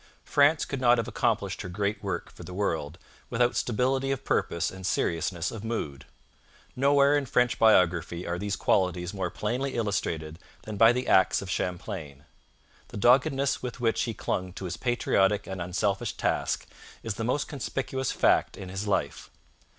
France could not have accomplished her great work for the world without stability of purpose and seriousness of mood. Nowhere in French biography are these qualities more plainly illustrated than by the acts of Champlain. The doggedness with which he clung to his patriotic and unselfish task is the most conspicuous fact in his life.